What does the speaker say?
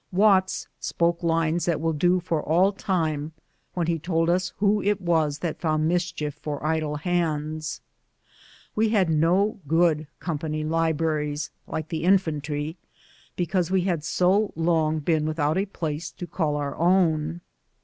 Watts spoke lines that will do for all time, when he told us who it was that found mischief for idle hands. We had no good company libraries, like the infantry, because we had so long been without a place to call our own.